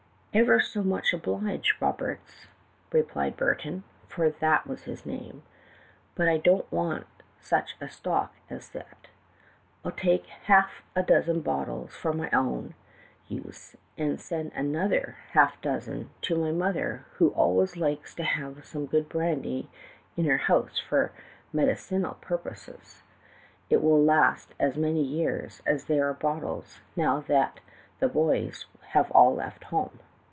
"'Ever so much obliged, Roberts,' replied Burton, for that was his name; 'but I don't want such a stock as that. I'll take half a dozen bottles for my own use and send another half dozen to my mother, who always likes to have some good brandy in the house for "medicinal purposes." It will last as many years as there are bottles, now that the boys have all left home.